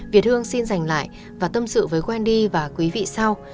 việt hương xin dành lại và tâm sự với wendy và quý vị sau